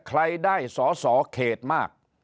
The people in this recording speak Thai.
ใครได้สอสอเขตมาก